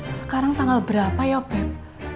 sekarang tanggal berapa ya beb